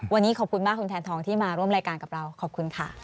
วันนี้ขอบคุณมากคุณแทนทองที่มาร่วมรายการกับเราขอบคุณค่ะ